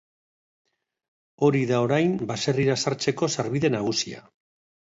Hori da orain baserrira sartzeko sarbide nagusia.